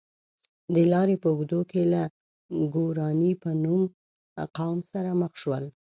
د لارې په اوږدو کې له ګوراني په نوم قوم سره مخ شول.